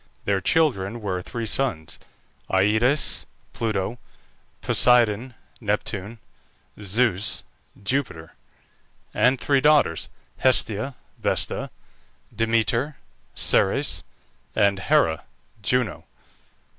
Their children were, three sons: Aïdes (Pluto), Poseidon (Neptune), Zeus (Jupiter), and three daughters: Hestia (Vesta), Demeter (Ceres), and Hera (Juno).